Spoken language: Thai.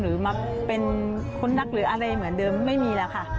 หรือมาเป็นคนนักหรืออะไรเหมือนเดิมไม่มีแล้วค่ะ